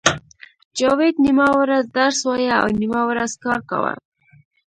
جاوید نیمه ورځ درس وایه او نیمه ورځ کار کاوه